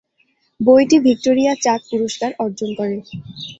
বইটি ভিক্টোরিয়া চাক পুরস্কার অর্জন করে।